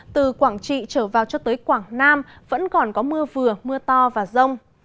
từ quảng trị trở vào cho tới quảng nam vẫn còn có mưa vừa mưa to và rông